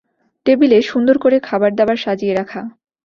টেবিলে সুন্দর করে খাবারুদাবার সাজিয়ে রাখা।